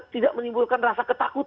tidak menimbulkan rasa ketakutan